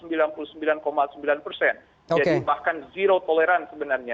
jadi bahkan zero tolerance sebenarnya